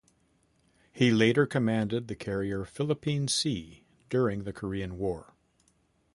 He later commanded the carrier Philippine Sea during the Korean War.